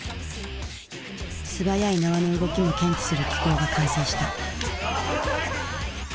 素早い縄の動きも検知する機構が完成した。